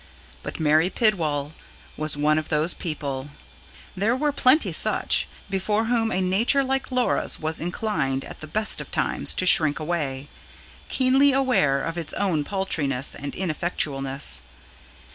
But Mary Pidwall was one of those people there were plenty such before whom a nature like Laura's was inclined, at the best of times, to shrink away, keenly aware of its own paltriness and ineffectualness.